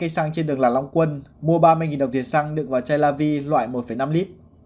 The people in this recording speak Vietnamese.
hải bỏ xăng trên đường lạng long quân mua ba mươi đồng thuyền xăng đựng vào chai la vi loại một năm lit